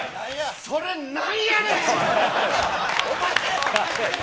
それ、なんやねん！